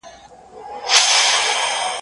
زه به اوږده موده چايي څښلي،